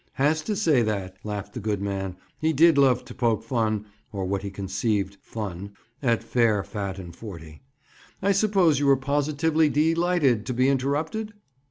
"Has to say that," laughed the good man. He did love to poke fun (or what he conceived "fun") at "fair, fat and forty." "I suppose you were positively dee lighted to be interrupted?"